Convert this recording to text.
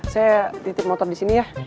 saya titip motor disini ya